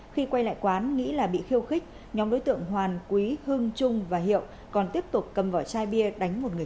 khi quay lại quán nghĩ là bị khiêu khích nhóm đối tượng hoàn quý hưng trung và hiệu còn tiếp tục cầm vỏ chai bia đánh một người